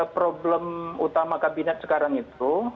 problem utama kabinet sekarang itu